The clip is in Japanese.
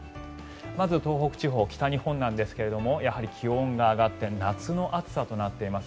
まず、東北地方、北日本ですがやはり気温が上がって夏の暑さとなっています。